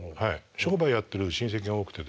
商売やってる親戚が多くてですね